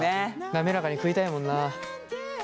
滑らかに食いたいもんなあ。